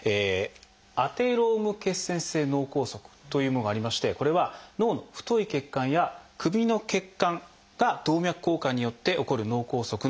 「アテローム血栓性脳梗塞」というものがありましてこれは脳の太い血管や首の血管が動脈硬化によって起こる脳梗塞のことです。